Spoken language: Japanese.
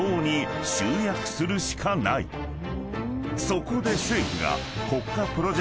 ［そこで政府が］